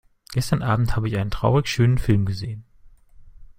Gestern Abend habe ich einen traurigschönen Film gesehen.